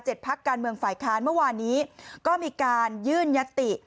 พักการเมืองฝ่ายค้านเมื่อวานนี้ก็มีการยื่นยัตติ